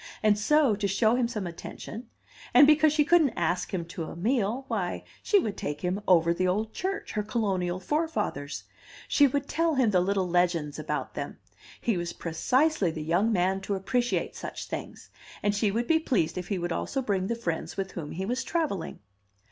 And so, to show him some attention, and because she couldn't ask him to a meal, why, she would take him over the old church, her colonial forefathers'; she would tell him the little legends about them; he was precisely the young man to appreciate such things and she would be pleased if he would also bring the friends with whom he was travelling.